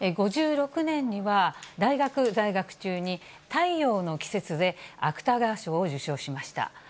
５６年には、大学在学中に太陽の季節で芥川賞を受賞しました。